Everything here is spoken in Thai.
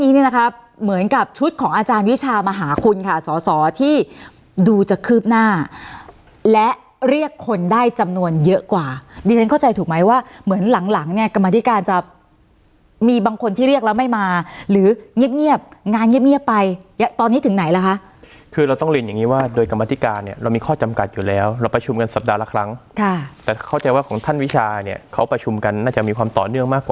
เยอะกว่าดิฉันเข้าใจถูกไหมว่าเหมือนหลังเนี่ยกรรมาธิการจะมีบางคนที่เรียกแล้วไม่มาหรือเงียบงานเงียบไปตอนนี้ถึงไหนละคะคือเราต้องเรียนอย่างนี้ว่าโดยกรรมาธิการเนี่ยเรามีข้อจำกัดอยู่แล้วเราประชุมกันสัปดาห์ละครั้งแต่เข้าใจว่าของท่านวิชาเนี่ยเขาประชุมกันน่าจะมีความต่อเนื่องมากกว่